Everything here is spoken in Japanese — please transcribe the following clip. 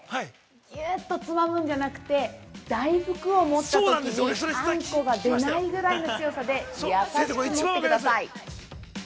ぎゅうっとつまむんじゃなくて大福を持ったときにあんこが出ないくらいの強さで優しく持ってください。